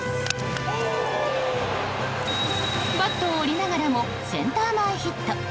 バットを折りながらもセンター前ヒット。